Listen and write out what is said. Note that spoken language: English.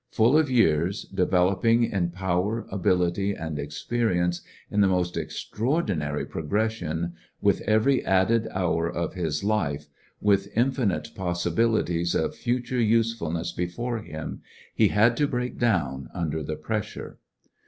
Full of years, developing in power, ability, and experience in the most extraordi nary progression with every added hour of his life, with infinite possibilities of future useftQ 196 '{VilssionarY in tge Great West ness before him^ lie had to break down under the pressure.